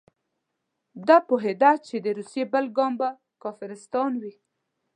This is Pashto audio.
ده پوهېده چې د روسیې بل ګام به کافرستان وي.